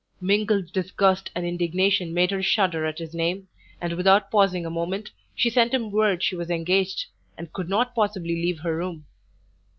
Mingled disgust and indignation made her shudder at his name, and without pausing a moment, she sent him word she was engaged, and could not possibly leave her room.